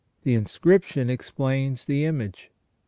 The inscription explains the image.